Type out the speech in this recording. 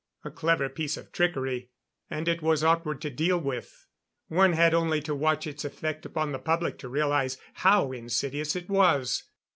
A clever piece of trickery, and it was awkward to deal with. One had only to watch its effect upon the public to realize how insidious it was.